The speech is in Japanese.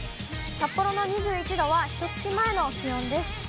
札幌の２１度は、ひとつき前の気温です。